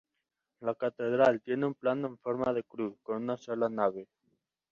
La catedral tiene un plano en forma de cruz, con una sola nave.